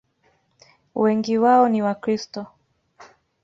Wengi wao ni Wakristo.